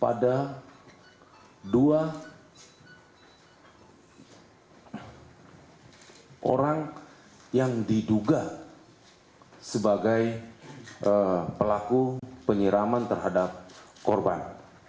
pada dua orang yang diduga sebagai pelaku penyiraman terhadap korban